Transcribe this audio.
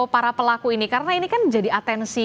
para pelaku ini karena ini kan jadi atensi